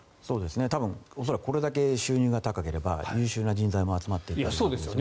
多分、恐らくこれだけ収入が高ければ優秀な人材も集まってくると思うんですね。